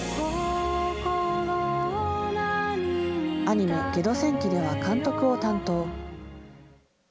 アニメ、ゲド戦記では監督を担当。